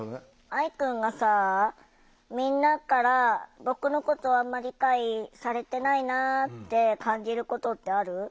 愛くんがさみんなから僕のことあんま理解されてないなって感じることってある？